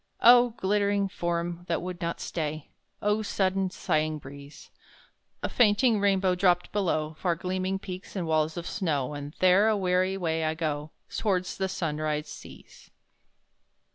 Oh, glittering Form that would not stay! Oh, sudden, sighing breeze! A fainting rainbow dropped below Far gleaming peaks and walls of snow And there, a weary way, I go, Towards the Sunrise seas.